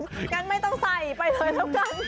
งั้นไม่ต้องใส่ไปเลยครับนั้น